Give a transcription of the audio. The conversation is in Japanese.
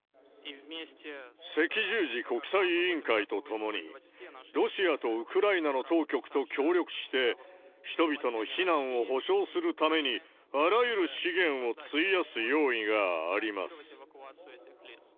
赤十字国際委員会とともに、ロシアとウクライナの当局と協力して、人々の避難を保証するために、あらゆる資源を費やす用意があります。